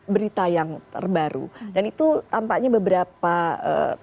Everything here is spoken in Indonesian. berita yang terbaru dan itu tampaknya beberapa ee